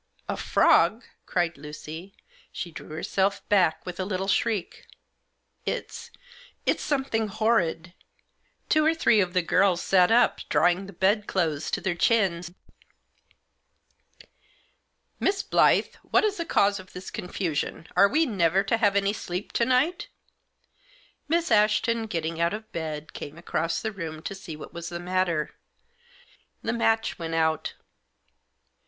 " A frog !" cried Lucy. She drew herself back with a little shriek. " It's — it's something horrid." Digitized by 26 THE JOSS. Two or three of the girls sat up, drawing the bed clothes to their chins. " Miss Blyth, what is the cause of this confusion ? Are we never to have any sleep to night ?" Miss Ashton, getting out of bed, came across the room to see what was the matter. The match went out.